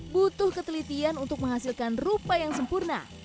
butuh ketelitian untuk menghasilkan rupa yang sempurna